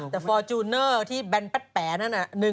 แต่ฟอร์จูนเนอร์ที่แบนแป๊ดแป๋นั่น๑๖๘๕